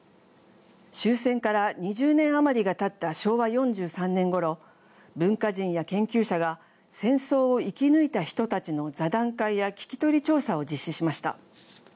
終戦から２０年余りがたった昭和４３年ごろ文化人や研究者が戦争を生き抜いた人たちの座談会や聞き取り調査を実施しました。